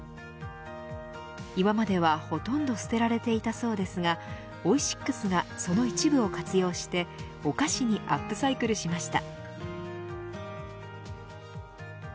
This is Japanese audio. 今まではほとんど捨てられていたそうですがオイシックスがその一部を活用してお菓子にアップサイクルしました。